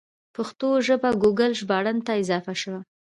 پښتو ژبه ګوګل ژباړن ته اضافه شوه.